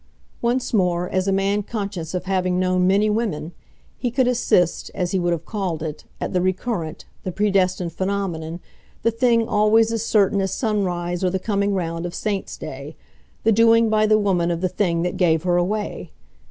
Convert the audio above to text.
Once more, as a man conscious of having known many women, he could assist, as he would have called it, at the recurrent, the predestined phenomenon, the thing always as certain as sunrise or the coming round of Saints' days, the doing by the woman of the thing that gave her away.